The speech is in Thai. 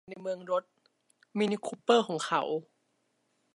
ฉันเห็นเบ็นในเมืองรถ มินิคูเปอร์ของเขา